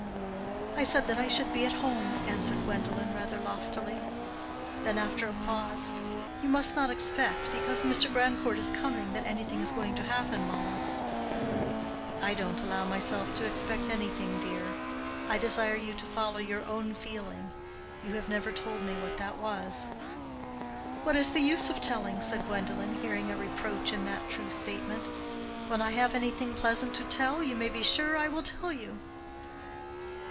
"I said that I should be at home," answered Gwendolen, rather loftily. Then after a pause, "You must not expect, because Mr. Grandcourt is coming, that anything is going to happen, mamma." "I don't allow myself to expect anything, dear. I desire you to follow your own feeling. You have never told me what that was." "What is the use of telling?" said Gwendolen, hearing a reproach in that true statement. "When I have anything pleasant to tell, you may be sure I will tell you."